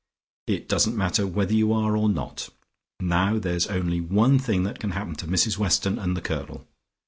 "It doesn't matter whether you are or not. Now there's only one thing that can happen to Mrs Weston and the Colonel.